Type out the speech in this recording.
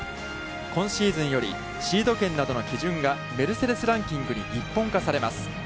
今シーズンよりシード権などの基準が、メルセデス・ランキングに一本化されます。